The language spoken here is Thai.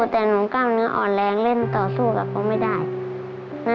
แต่หนูกล้ามเนื้ออ่อนแรงเล่นต่อสู้กับเขาไม่ได้